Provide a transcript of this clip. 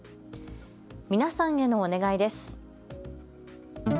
皆さんへのお願いです。